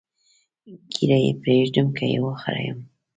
ږیره پرېږدم که یې وخریم؟